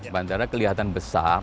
bandara kelihatan besar